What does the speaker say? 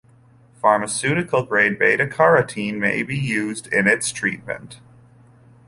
Pharmaceutical-grade beta carotene may be used in its treatment.